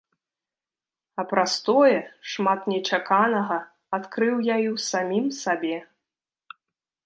А праз тое шмат нечаканага адкрыў я і ў самім сабе.